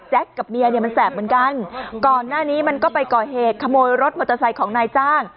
กับเมียเนี่ยมันแสบเหมือนกันก่อนหน้านี้มันก็ไปก่อเหตุขโมยรถมอเตอร์ไซค์ของนายจ้าง